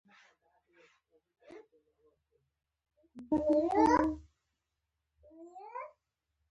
د هغه نړۍ ټولې نړۍ ته ښکلا ورکړه.